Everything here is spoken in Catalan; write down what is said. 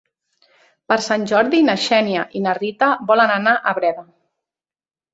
Per Sant Jordi na Xènia i na Rita volen anar a Breda.